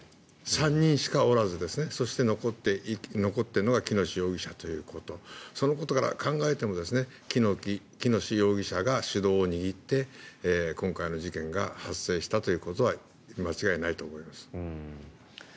３人しかおらずそして残っているのが喜熨斗容疑者ということそのことから考えても喜熨斗容疑者が主導を握って、今回の事件が発生したということは間違いないと思います。